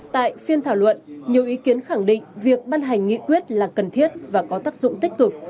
tại phiên thảo luận nhiều ý kiến khẳng định việc ban hành nghị quyết là cần thiết và có tác dụng tích cực